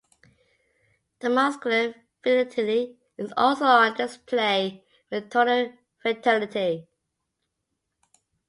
The muscular fidelity is also on display with tonal vitality.